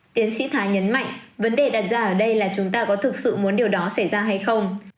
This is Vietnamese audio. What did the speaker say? tiến sĩ thái nhấn mạnh vấn đề đặt ra ở đây là chúng ta có thực sự muốn điều đó xảy ra hay không